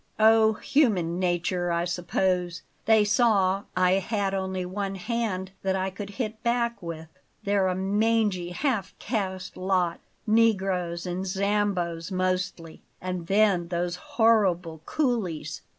"Oh, human nature, I suppose; they saw I had only one hand that I could hit back with. They're a mangy, half caste lot; negroes and Zambos mostly. And then those horrible coolies!